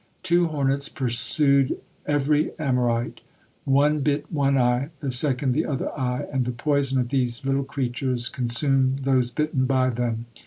Two hornets pursued ever Amorite; one bit one eye, the second the other eye, and the poison of these little creatures consumed those bitten by them.